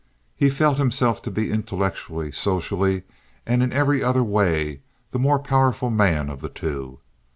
He felt himself to be intellectually, socially, and in every other way the more powerful man of the two.